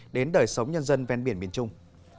đến đời sống nhân dân ven biển miền trung